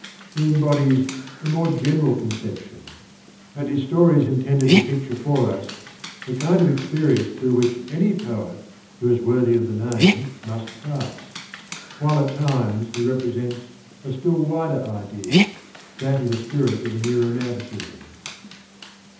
He embodies a more general conception, and his story is intended to picture for us the kind of experience through which any poet who is worthy of the name must pass; while at times he represents a still wider idea — that of the spirit of the new romanticism.